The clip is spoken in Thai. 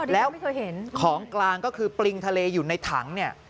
แล้วของกลางก็คือปริงทะเลอยู่ในถังเนี่ย